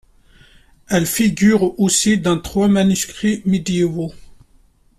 Elle figure aussi dans trois manuscrits médiévaux.